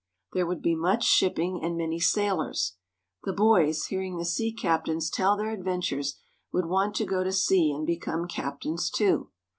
There would be much shipping and many sailors. The boys, hearing the sea captains tell their adventures, would want to go to sea and become captains too.